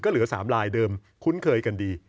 เหลือ๓ลายเดิมคุ้นเคยกันดี